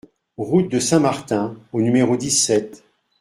Route de St Martin au numéro dix-sept